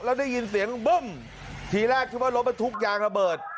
แล้วได้ยินเสียงบึ้มทีแรกคิดว่ารถบรรทุกยางระเบิด